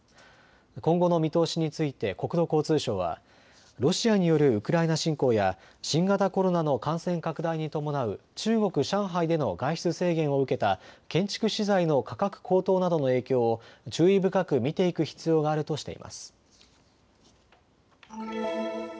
今後の見通しについて国土交通省はロシアによるウクライナ侵攻や新型コロナの感染拡大に伴う中国・上海での外出制限を受けた建築資材の価格高騰などの影響を注意深く見ていく必要があるとしています。